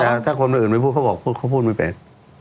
แต่ถ้าคนอื่นไม่พูดเขาบอกเขาพูดไม่เป็น